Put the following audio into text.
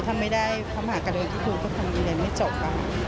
ถ้าไม่ได้พัมหากรุณาธิคุณก็ความยากเรียนไม่จบ